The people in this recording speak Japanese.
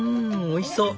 おいしそう。